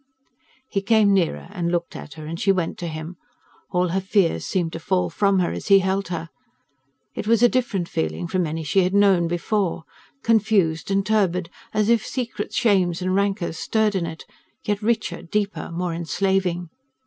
He came nearer, and looked at her, and she went to him. All her fears seemed to fall from her as he held her. It was a different feeling from any she had known before: confused and turbid, as if secret shames and rancours stirred in it, yet richer, deeper, more enslaving.